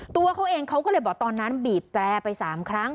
ตัวเขาเองเขาก็เลยบอกตอนนั้นบีบแตรไป๓ครั้ง